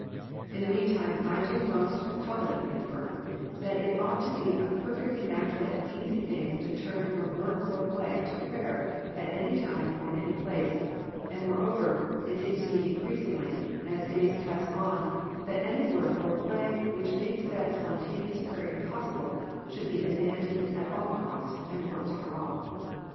In the meantime I do most confidently affirm that it ought to be a perfectly natural and easy thing to turn from work or play to prayer at any time or in any place, and more over, it seems to me increasingly, as days pass on that any work or play which makes that sponta neous prayer impossible should be abandoned at all costs and once for all.